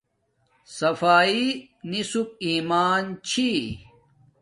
صفاݷݵ نصپ ایمان چھی